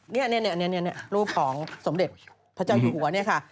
นี่รูปของสมเด็จพระเจ้าอยู่หัวเนี่ยค่ะ